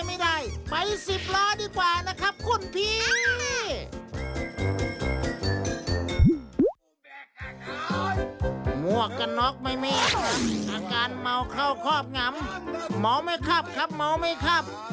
วกกันน็อกไม่มีอาการเมาเข้าครอบงำเมาไม่ขับครับเมาไม่ขับ